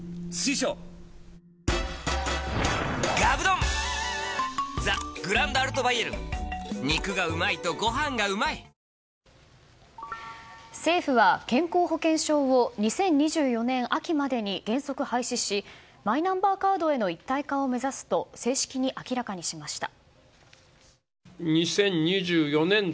「ロリエ」政府は健康保険証を２０２４年秋までに原則廃止しマイナンバーカードへの一体化を目指すと正式に明らかにしました。